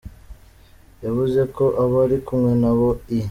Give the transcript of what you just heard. Yavuze ko abo ari kumwe na bo i.